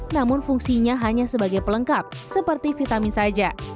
namun fungsinya hanya sebagai pelengkap seperti vitamin saja